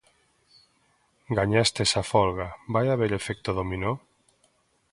Gañastes a folga: vai haber efecto dominó?